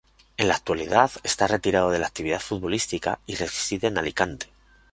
En la actualidad está retirado de la actividad futbolística y reside en Alicante.